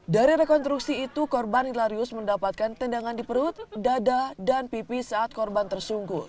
dari rekonstruksi itu korban hilarius mendapatkan tendangan di perut dada dan pipi saat korban tersungkur